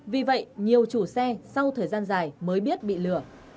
vì vậy nhiều chủ xe sau thời gian dài mới biết bị lửa